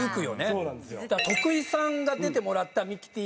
だから徳井さんが出てもらった「ミキティ」